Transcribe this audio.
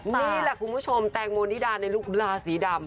นี่แหละคุณผู้ชมแตงโมนิดาในลูกลาสีดำ